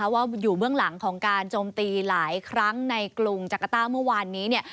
ว่าอยู่เบื้องหลังของการโจมตีหลายครั้งในกรุงจักรต้าเมื่อวานนี้